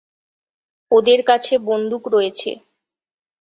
ওদের কাছে বন্দুক রয়েছে।